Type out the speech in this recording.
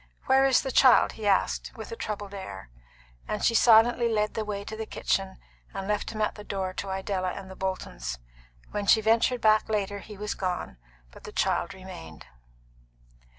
"Where is the child?" he asked, with a troubled air; and she silently led the way to the kitchen, and left him at the door to Idella and the Boltons. When she ventured back later he was gone, but the child remained.